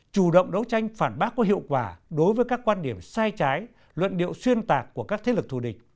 chủ động đấu tranh phản bác có hiệu quả đối với các quan điểm sai trái luận điệu xuyên tạc của các thế lực thù địch